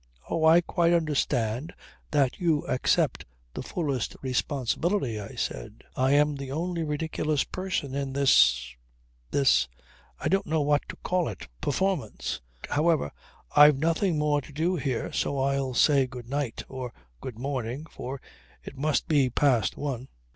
"Oh I quite understand that you accept the fullest responsibility," I said. "I am the only ridiculous person in this this I don't know how to call it performance. However, I've nothing more to do here, so I'll say good night or good morning, for it must be past one."